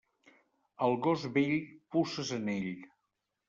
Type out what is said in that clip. Al gos vell, puces en ell.